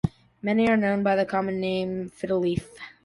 Many are known by the common name fiddleleaf.